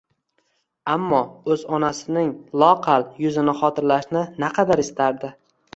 ammo o'z onasining loaqal yuzini xotirlashni naqadar istardi.